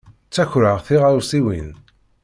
Ttakreɣ tiɣawsiwin.